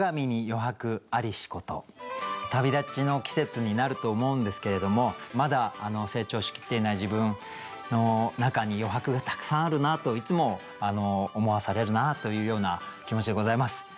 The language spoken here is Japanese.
旅立ちの季節になると思うんですけれどもまだ成長しきっていない自分の中に余白がたくさんあるなといつも思わされるなというような気持ちでございます。